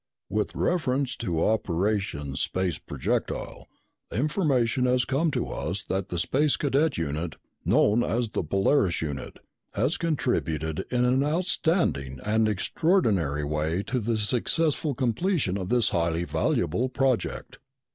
With reference to Operation Space Projectile, information has come to us that the Space Cadet unit, known as the Polaris unit, has contributed in an outstanding and extraordinary way to the successful completion of this highly valuable project.